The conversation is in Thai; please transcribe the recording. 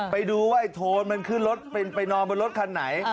ไปดูว่าไอ้โทนมันขึ้นรถไปนอนบนรถคันไหน